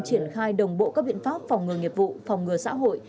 triển khai đồng bộ các biện pháp phòng ngừa nghiệp vụ phòng ngừa xã hội